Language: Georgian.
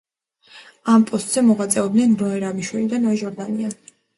ამ პოსტზე მოღვაწეობდნენ ნოე რამიშვილი და ნოე ჟორდანია.